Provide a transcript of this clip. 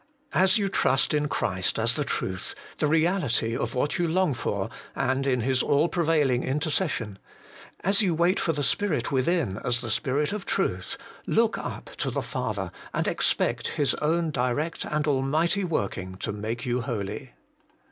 As you trust in Christ as the truth, the reality of what you long for, and in His all prevailing intercession; as you wait for the Spirit within as the Spirit of truth; look up to the Father, and expect His own direct and almighty working to make you holy.